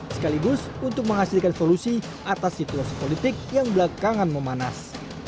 sekaligus untuk menghasilkan solusi atas situasi politik yang belakangan memanas